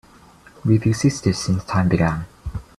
We've existed since time began.